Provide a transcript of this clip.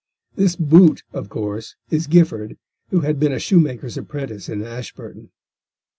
This boot, of course, is Gifford, who had been a shoemaker's apprentice in Ashburton.